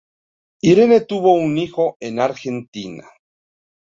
Irene tuvo un hijo en Argentina.